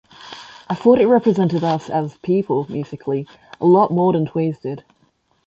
I thought it represented us as people, musically, a lot more than "Tweez" did.